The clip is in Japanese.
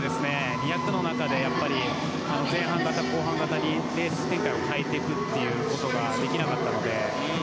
２００ｍの中で前半型、後半型にレース展開を変えていくということができなかったので。